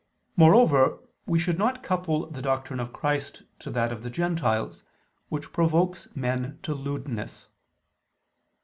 Moreover we should not couple the doctrine of Christ to that of the Gentiles, which provokes men to lewdness.